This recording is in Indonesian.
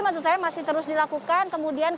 masih terus dilakukan kemudian